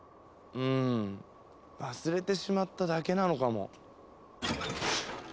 うん忘れてしまっただけなのかも。